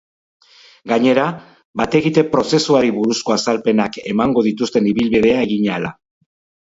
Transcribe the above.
Gainera, bat-egite prozesuari buruzko azalpenak emango dituzten ibilbidea egin ahala.